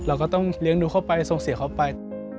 เราก็ต้องเลี้ยงดูเขาไปส่งเสียเขาไป